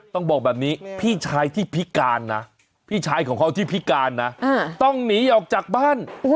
ต้องหนีออกจากบ้าน